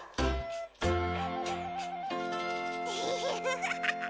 フフフフ。